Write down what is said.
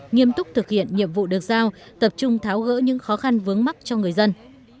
nghiêm túc thực hiện nhiệm vụ được giao tập trung tháo gỡ những khó khăn vướng mắt cho người dân